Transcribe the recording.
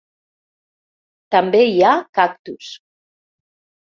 També hi ha cactus.